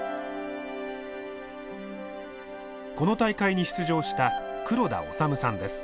この大会に出場した黒田脩さんです。